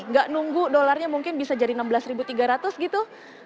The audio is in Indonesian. nggak nunggu dolarnya mungkin bisa jadi enam belas tiga ratus gitu